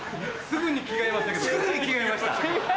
すぐに着替えました。